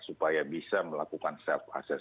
supaya bisa melakukan self assess